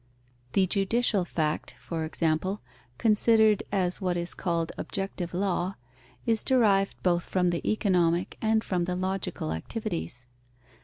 The judicial fact, for example, considered as what is called objective law, is derived both from the economic and from the logical activities.